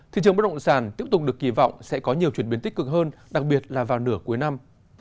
thị trường bất động sản tiếp tục được kỳ vọng sẽ có nhiều chuyển biến tích cực hơn đặc biệt là vào nửa cuối năm